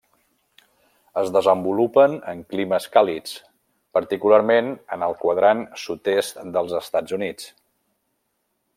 Es desenvolupen en climes càlids, particularment en el quadrant sud-est dels Estats Units.